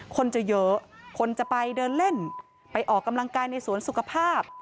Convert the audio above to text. คนจะเยอะคนจะไปเดินเล่นไปออกกำลังกายในสวนสุขภาพ